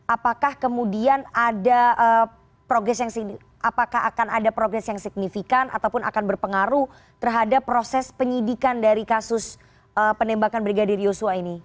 apakah kemudian ada progres yang signifikan ataupun akan berpengaruh terhadap proses penyidikan dari kasus penembakan brigadir yosua ini